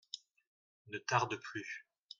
Ne tarde plus.